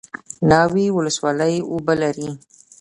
ناوې ولسوالۍ اوبه لري؟